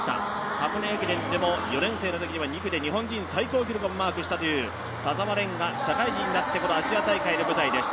箱根駅伝でも４年生のときには２区で最高記録をマークしたという田澤廉が社会人になってこのアジア大会の舞台です。